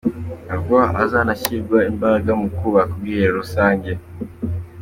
Avuga ko hazanashyirwa imbaraga mu kubaka ubwiherero rusange.